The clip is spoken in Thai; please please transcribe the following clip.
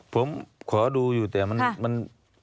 ผมขอดูอยู่แต่มัน